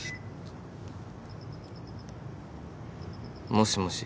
もしもし。